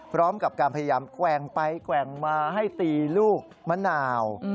พร้อมกับการพยายามแกว่งไปแกว่งมาให้ตีลูกมะนาว